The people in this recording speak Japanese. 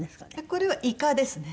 これはイカですね。